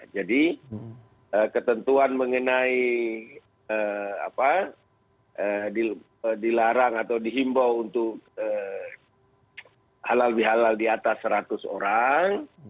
jadi ketentuan mengenai dilarang atau dihimbau untuk halal bihalal diatas seratus orang